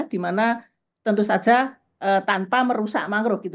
di mana tentu saja tanpa merusak mangrove